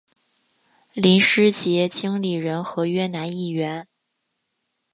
林师杰经理人合约男艺员。